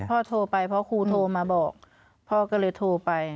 โทรไปเพราะครูโทรมาบอกพ่อก็เลยโทรไป